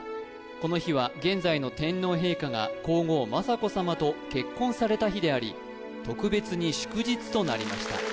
この日は現在の天皇陛下が皇后雅子さまと結婚された日であり特別に祝日となりました